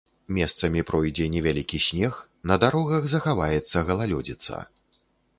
Месцамі пройдзе невялікі снег, на дарогах захаваецца галалёдзіца.